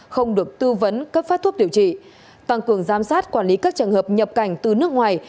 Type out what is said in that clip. không được tư vấn cấp phát thuốc điều trị tăng cường giám sát quản lý các trường hợp nhập cảnh từ nước ngoài